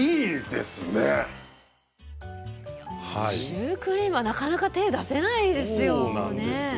シュークリームはなかなか手を出せないですよね。